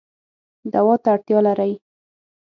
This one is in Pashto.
دوا ته اړتیا لرئ